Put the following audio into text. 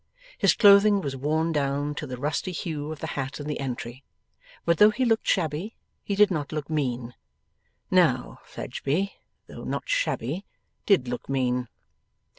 His clothing was worn down to the rusty hue of the hat in the entry, but though he looked shabby he did not look mean. Now, Fledgeby, though not shabby, did look mean.